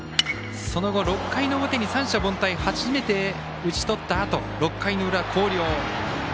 その後、６回の表に三者凡退、初めて打ち取ったあと、６回の裏、広陵。